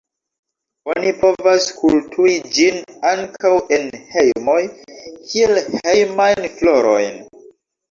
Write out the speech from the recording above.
Oni povas kulturi ĝin ankaŭ en hejmoj kiel hejmajn florojn.